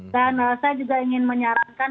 dan saya juga ingin menyarankan